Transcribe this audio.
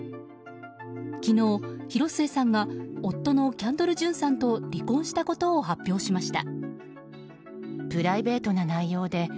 昨日、広末さんが夫のキャンドル・ジュンさんと離婚したことを発表しました。